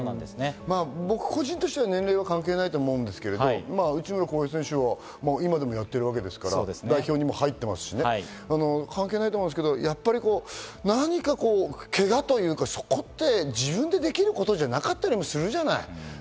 僕個人としては年齢は関係ないと思うんですけど内村航平選手は今でもやってるわけですから、代表にも入っていますし、関係ないと思いますけど、やっぱりけがというか、そこって自分でできることじゃなかったりもするじゃない。